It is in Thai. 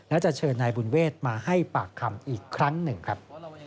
และจะเชิญนายบุญเวทมาให้ปากคำอีกครั้งหนึ่งครับ